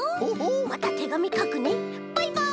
またてがみかくねバイバイ！」